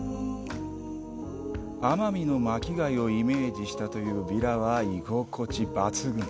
奄美の巻き貝をイメージしたというヴィラは居心地抜群！